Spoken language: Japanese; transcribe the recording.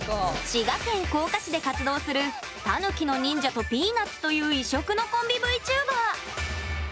滋賀県甲賀市で活動するタヌキの忍者とピーナッツという異色のコンビＶＴｕｂｅｒ。